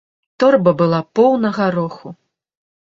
Торба была поўна гароху.